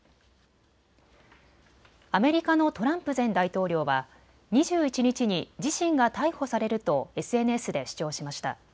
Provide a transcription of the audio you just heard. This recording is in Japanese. アメリカのトランプ前大統領は２１日に自身が逮捕されるとＳＮＳで主張しました。